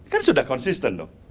kan sudah konsisten dong